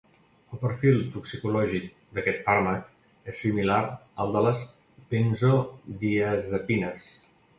El perfil toxicològic d'aquest fàrmac és similar al de les benzodiazepines.